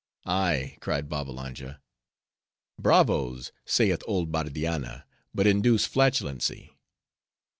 "Ay," cried Babbalanja, "'Bravos,' saith old Bardianna, but induce flatulency.